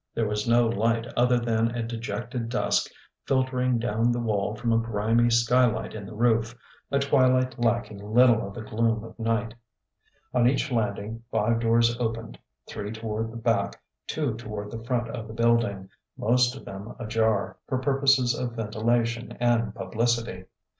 There was no light other than a dejected dusk filtering down the wall from a grimy sky light in the roof, a twilight lacking little of the gloom of night. On each landing five doors opened three toward the back, two toward the front of the building: most of them ajar, for purposes of ventilation and publicity.